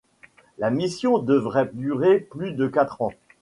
La mission devrait durer plus de quatre ans.